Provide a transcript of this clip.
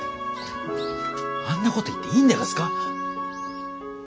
あんなこと言っていいんでがすか？